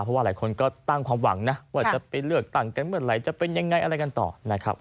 เพราะว่าหลายคนก็ตั้งความหวังนะว่าจะไปเลือกตั้งกันเมื่อไหร่จะเป็นยังไงอะไรกันต่อนะครับ